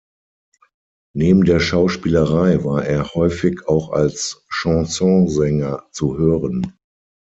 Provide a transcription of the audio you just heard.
Neben der Schauspielerei war er häufig auch als Chansonsänger zu hören.